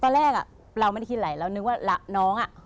ตอนแรกเราไม่ได้คิดอะไรเรานึกว่าน้องอ่ะ